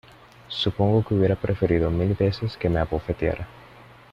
supongo que hubiera preferido mil veces que me abofeteara